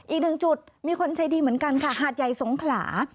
อีกหนึ่งจุดมีคนใจดีเหมือนกันค่ะหาดใหญ่สงขลา